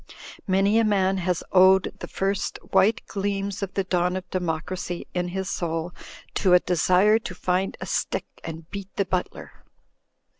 Many a man has owed the first white gleams of the dawn of Democracy in his soul to a desire to find a stick and beat the butler.